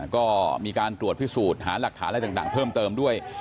ก็มีการตรวจพิสูจน์หาหลักฐานอะไรต่างเพิ่มเติมด้วย